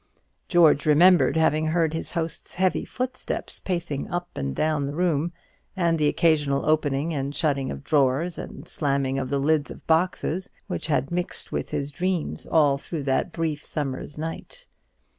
George remembered having heard his host's heavy footsteps pacing up and down the room; and the occasional opening and shutting of drawers, and slamming of the lids of boxes, which had mixed with his dreams all through that brief summer's night.